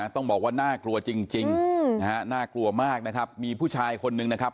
ต้องบอกว่าน่ากลัวจริงนะฮะน่ากลัวมากนะครับมีผู้ชายคนนึงนะครับ